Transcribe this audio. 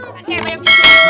kayak bayam gitu